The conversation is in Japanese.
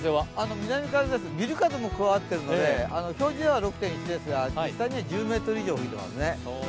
南風です、ビル風も加わっているので表示は６．１ですが実際には１０メートル以上吹いていますね。